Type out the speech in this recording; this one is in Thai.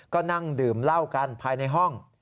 ก็นั่งดื่มเหล้ากันภายในห้อง